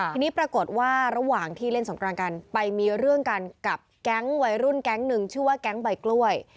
ทีนี้ปรากฏว่าระหว่างที่เล่นสงกรานกันไปมีเรื่องกันกับแก๊งวัยรุ่นแก๊งหนึ่งชื่อว่าแก๊งใบกล้วย